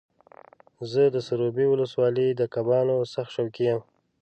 زه د سروبي ولسوالۍ د کبانو سخت شوقي یم.